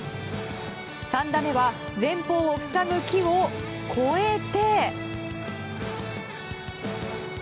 ３打目は前方を塞ぐ木を越えて。